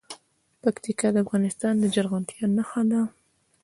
پکتیکا د افغانستان د زرغونتیا نښه ده.